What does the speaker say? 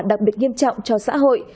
đặc biệt nghiêm trọng cho xã hội